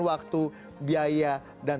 waktu biaya dan